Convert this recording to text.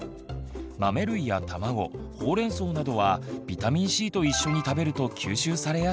豆類や卵ほうれんそうなどはビタミンＣと一緒に食べると吸収されやすくなります。